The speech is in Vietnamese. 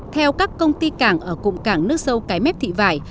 theo các công ty cảng ở cụm cảng nước sâu cái mép thị vải